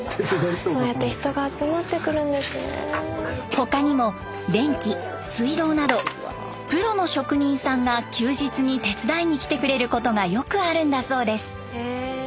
他にも電気水道などプロの職人さんが休日に手伝いに来てくれることがよくあるんだそうです。